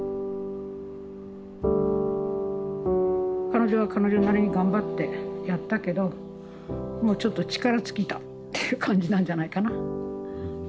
彼女は彼女なりに頑張ってやったけどもうちょっと力尽きたっていう感じなんじゃないかな。